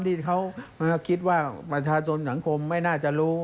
ที่เขาคิดว่าประชาชนสังคมไม่น่าจะรู้